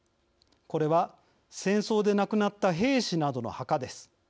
これは戦争で亡くなった兵士などの墓です。